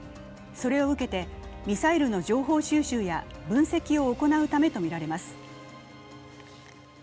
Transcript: それを受けてミサイルの情報収集や分析を行うためとみられます。